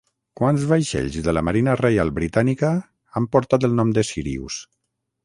Quants vaixells de la Marina Reial Britànica han portat el nom de Sírius?